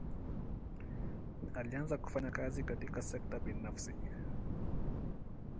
Alianza kufanya kazi katika sekta binafsi.